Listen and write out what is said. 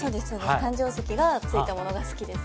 誕生石がついたものが好きです